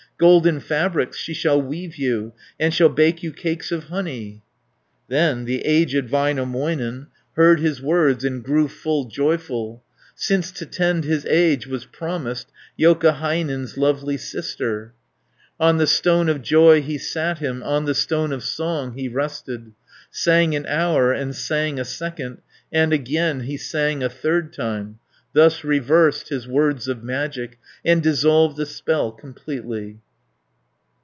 Golden fabrics she shall weave you, And shall bake you cakes of honey." Then the aged Väinämöinen, Heard his words, and grew full joyful, Since to tend his age was promised Joukahainen's lovely sister. 470 On the stone of joy he sat him, On the stone of song he rested, Sang an hour, and sang a second, And again he sang a third time: Thus reversed his words of magic, And dissolved the spell completely.